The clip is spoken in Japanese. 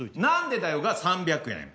「何でだよ！」が３００円。